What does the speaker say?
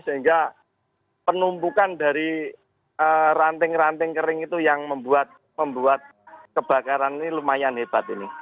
sehingga penumpukan dari ranting ranting kering itu yang membuat kebakaran ini lumayan hebat ini